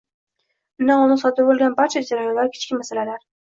Undan oldin sodir bo'lgan barcha jarayonlar kichik masalalar